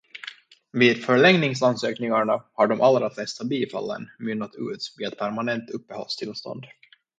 Vid förlängningsansökningarna har de allra flesta bifallen mynnat ut i ett permanent uppehållstillstånd.